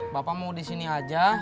bapak mau disini aja